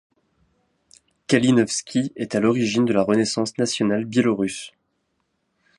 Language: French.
Kalinowski est à l'origine de la renaissance nationale biélorusse.